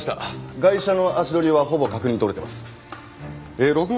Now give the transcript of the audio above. ガイシャの足取りはほぼ確認とれてます。